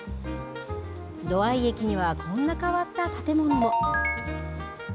土合駅には、こんな変わった建物も。